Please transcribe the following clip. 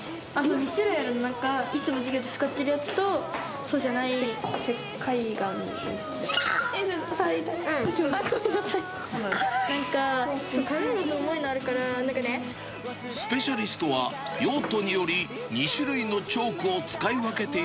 ２種類ある中、いつも授業で使っているやつと、そうじゃない軽い。